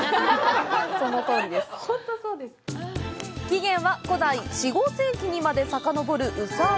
起源は古代４５世紀にまでさかのぼる宇佐飴。